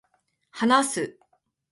話す、